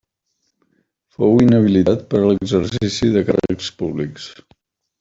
Fou inhabilitat per a l'exercici de càrrecs públics.